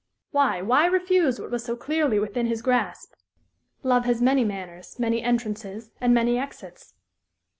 Why why refuse what was so clearly within his grasp? Love has many manners many entrances and many exits.